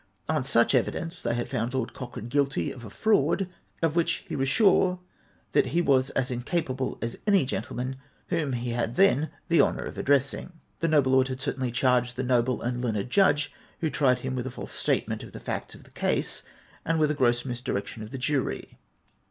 On such evidence they had found Lord Cochrane guilty of a fraud of which he was sure that he was as incapable as any gentleman whom he had then the honour of addressing. The noble lord had certainly charged the noble and learned judge who tried him with a false statement of the facts of the case, and with a gross misdirection to the jury.